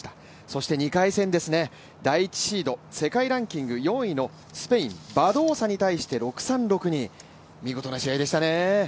そして、２回戦、第１シード世界ランキング４位のスペイン、バドーサに対して６−３、６−２見事な試合でしたね。